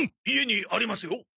家にありますよ。